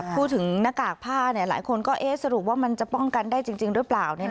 พูดถึงหน้ากากผ้าหลายคนก็สรุปว่ามันจะป้องกันได้จริงหรือเปล่า